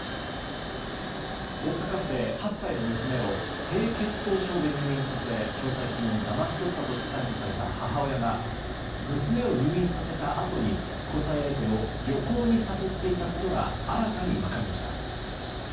大阪府で８歳の娘を低血糖症で入院させ共済金をだまし取ったとして逮捕された母親が娘を入院させたあとに交際相手を旅行に誘っていたことが新たに分かりました。